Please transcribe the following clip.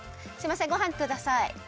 すいませんごはんください。